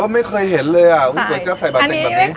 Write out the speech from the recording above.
ไม่เคยเห็นเลยอ่ะมันสวยจ๊ะใส่บะเต็งแบบนี้